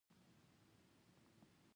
هغوی ښکلې وې؟ ته وپوهېږه چې څه وایم.